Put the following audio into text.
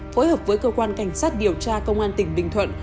phối hợp với cơ quan cảnh sát điều tra công an tỉnh bình thuận